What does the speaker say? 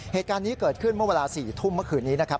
เหตุการณ์นี้เกิดขึ้นเมื่อเวลา๔ทุ่มเมื่อคืนนี้นะครับ